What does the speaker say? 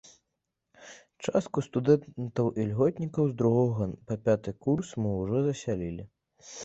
Частку студэнтаў-ільготнікаў з другога па пяты курс мы ўжо засялілі.